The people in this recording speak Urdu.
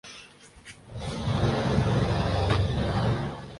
ماضی میں مقاصد جلیل اور خواہشیں قلیل ہوتی تھیں۔